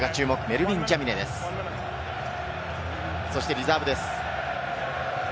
リザーブです。